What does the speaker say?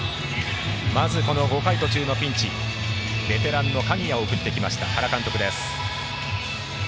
まず、この５回途中のピンチベテランの鍵谷を送ってきました原監督です。